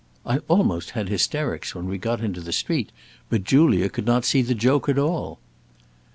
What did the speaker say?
I almost had hysterics when we got into the street, but Julia could not see the joke at all."